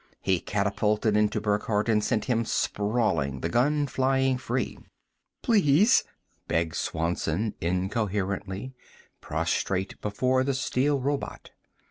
He catapulted into Burckhardt and sent him sprawling, the gun flying free. "Please!" begged Swanson incoherently, prostrate before the steel robot.